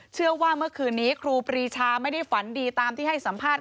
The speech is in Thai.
เชื่อว่าเมื่อคืนนี้ครูปรีชาไม่ได้ฝันดีตามที่ให้สัมภาษณ